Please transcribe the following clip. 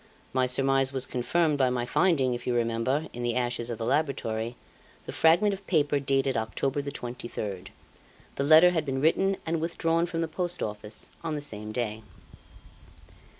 My surmise was confirmed by my finding, if you remember, in the ashes of the laboratory, the fragment of paper dated October the 23rd. The letter had been written and withdrawn from the Post Office on the same day.